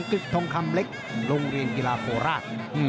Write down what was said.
ติดทองคำเล็กโรงเรียนกีฬาโคราช